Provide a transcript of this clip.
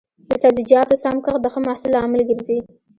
د سبزیجاتو سم کښت د ښه محصول لامل ګرځي.